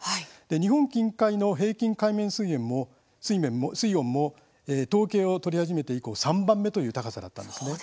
日本近海の平均の海面水温も統計開始以降３番目の高さだったんです。